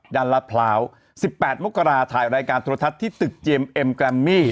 รัฐพร้าว๑๘มกราถ่ายรายการโทรทัศน์ที่ตึกเจียมเอ็มแกรมมี่